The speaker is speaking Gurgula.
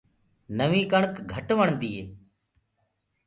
نوينٚ ڪڻڪ گھٽ وڻدي هي۔